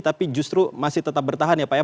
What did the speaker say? tapi justru masih tetap bertahan ya pak ya